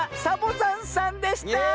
サボざんさんでした！